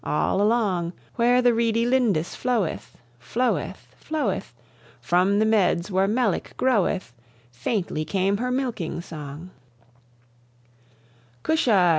all along; Where the reedy Lindis floweth, Floweth, floweth, From the meads where melick groweth Faintly came her milking song "Cusha!